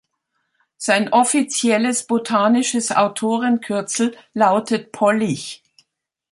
Sein offizielles botanisches Autorenkürzel lautet „Pollich“.